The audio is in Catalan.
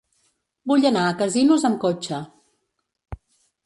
Vull anar a Casinos amb cotxe.